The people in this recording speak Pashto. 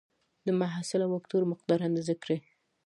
د محصله وکتور مقدار اندازه کړئ.